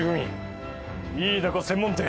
イイダコ専門店。